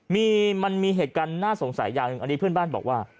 มีมันมีเหตุการณ์น่าสงสัยอย่างหนึ่งอันนี้เพื่อนบ้านบอกว่า